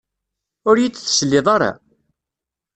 Ur yi-d-tesliḍ ara?